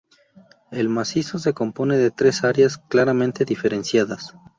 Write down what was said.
El macizo se compone de tres áreas claramente diferenciadas.